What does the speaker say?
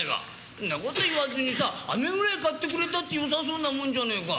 そんなこと言わずにあめぐらい買ってくれても良さそうなもんじゃねえか。